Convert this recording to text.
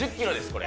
これ。